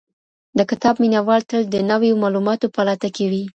د کتاب مينه وال تل د نويو معلوماتو په لټه کي وي.